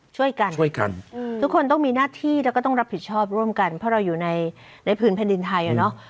ช่วยกันช่วยกันทุกคนต้องมีหน้าที่แล้วก็ต้องรับผิดชอบร่วมกันเพราะเราอยู่ในผืนแผ่นดินไทยอ่ะเนอะ